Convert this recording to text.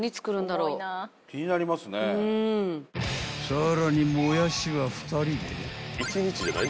［さらにもやしは２人で］